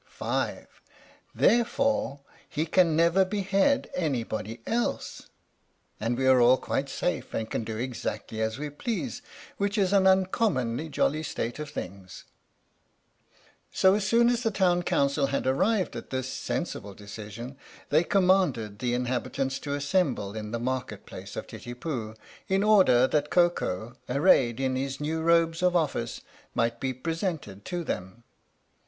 (5). Therefore he can never behead anybody else, and we are all quite safe and can do exactly as we please, which is an uncommonly jolly state of things. So as soon as the Town Council had arrived at this sensible decision they commanded the inhabit ants to assemble in the Market Place of Titipu in order that Koko, arrayed in his new robes of office, might be presented to them.